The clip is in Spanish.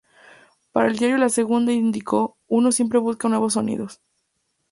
Para el diario La Segunda indicó: "Uno siempre busca nuevos sonidos.